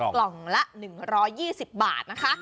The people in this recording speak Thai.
กล่องละ๑๒๐บาทนะคะ